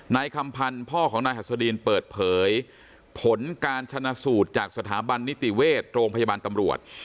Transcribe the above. นายคำพันธ์พ่อของนายหัสดีนเปิดเผยผลการชนะสูตรจากสถาบันนิติเวชโรงพยาบาลตำรวจ